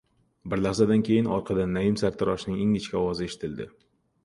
Bir lahzadan keyin orqadan Naim sartaroshning ingichka ovozi eshitildi.